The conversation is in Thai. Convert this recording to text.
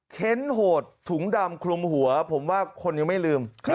โหดถุงดำคลุมหัวผมว่าคนยังไม่ลืม